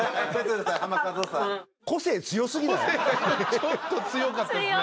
ちょっと強かったですね。